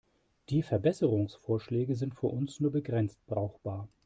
Die Verbesserungsvorschläge sind für uns nur begrenzt brauchbar.